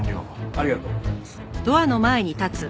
ありがとうございます。